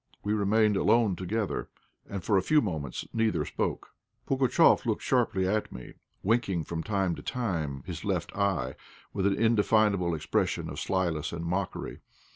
We remained alone together, and for a few moments neither spoke. Pugatchéf looked sharply at me, winking from time to time his left eye with an indefinable expression of slyness and mockery.